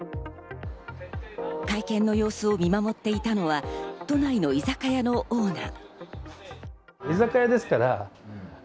会見の様子を見守っていたのは都内の居酒屋のオーナー。